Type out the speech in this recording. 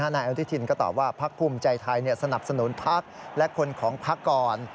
นายอนุทินก็ตอบว่าพักภูมิใจไทยสนับสนุนพักและคนของพักก่อน